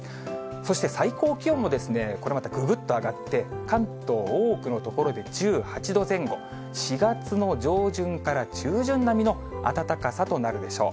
そして最高気温も、これまたぐぐっと上がって、関東、多くの所で１８度前後、４月の上旬から中旬並みの暖かさとなるでしょう。